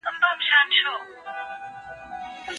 ايا انلاين درس بيا کتنه ممکنوي.